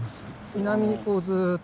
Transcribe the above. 南にずっと。